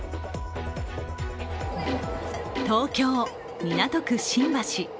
東京・港区新橋。